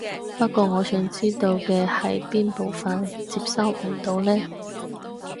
不過我想知道嘅係邊部分接收唔到呢？